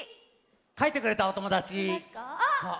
かいてくれたおともだち？あっ！